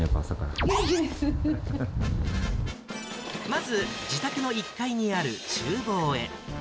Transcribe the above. まず、自宅の１階にあるちゅう房へ。